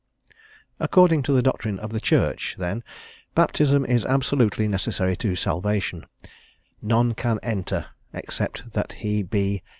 According to the doctrine of the Church, then, baptism is absolutely necessary to salvation: "None can enter... except he be...